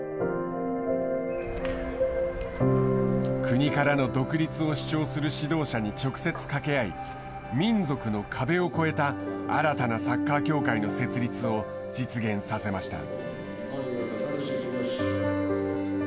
国からの独立を主張する指導者に直接かけ合い、民族の壁を越えた新たなサッカー協会の設立を実現させました。